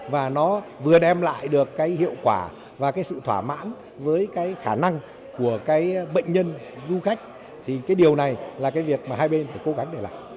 và nó vừa đem lại được cái hiệu quả và cái sự thỏa mãn với cái khả năng của cái bệnh nhân du khách thì cái điều này là cái việc mà hai bên phải cố gắng để làm